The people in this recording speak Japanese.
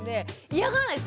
嫌がらないです。